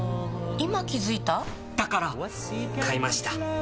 今気付いた？だから！買いました。